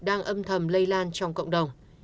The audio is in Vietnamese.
đang âm thầm lây lan trong cộng đồng